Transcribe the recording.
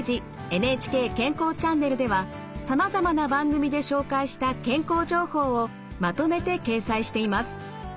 「ＮＨＫ健康チャンネル」ではさまざまな番組で紹介した健康情報をまとめて掲載しています。